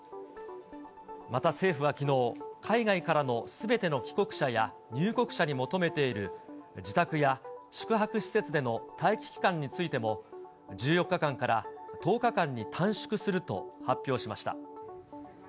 また政府はきのう、海外からのすべての帰国者や入国者に求めている、自宅や宿泊施設での待機期間についても、１４日間から１０日間に短縮すると発表しました。